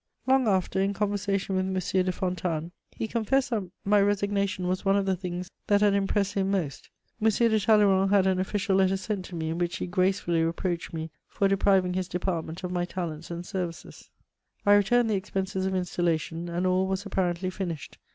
Long after, in conversation with M. de Fontanes, he confessed that my resignation was one of the things that had impressed him most M. de Talleyrand had an official letter sent to me in which he gracefully reproached me for depriving his department of my talents and services. I returned the expenses of installation, and all was apparently finished.